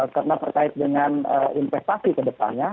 kena terkait dengan investasi ke depannya